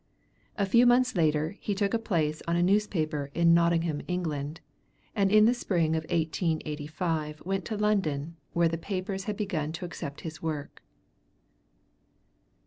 A few months later he took a place on a newspaper in Nottingham, England, and in the spring of 1885 went to London, where the papers had begun to accept his work.